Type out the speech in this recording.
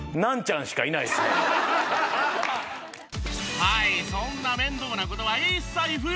はいそんな面倒な事は一切不要！